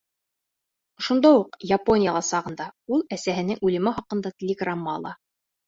Ошонда уҡ, Японияла сағында, ул әсәһенең үлеме хаҡында телеграмма ала.